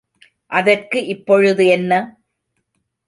அதற்கு இப்பொழுது என்ன?